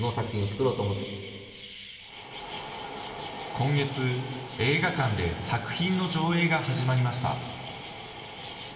今月、映画館で作品の上映が始まりました。